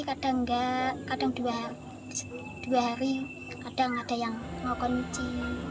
kadang enggak kadang dua hari kadang ada yang mau kunci